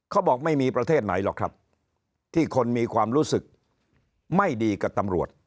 เขาบอกไม่มีประเทศไหนหรอกครับที่คนมีความรู้สึกไม่ดีกับตำรวจ